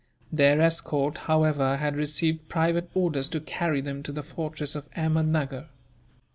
Their escort, however, had received private orders to carry them to the fortress of Ahmednuggur.